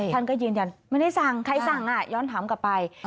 ท่านก็ยืนยันไม่ได้สั่งใครสั่งย้อนถามกลับไป